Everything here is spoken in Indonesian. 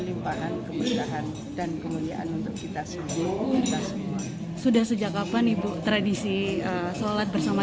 limpahan kebenaran dan kemuliaan untuk kita sendiri sudah sejak kapan ibu tradisi salat bersama